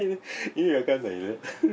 意味わかんないよね。